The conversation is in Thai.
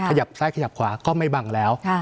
ขยับซ้ายขยับขวาก็ไม่บังแล้ว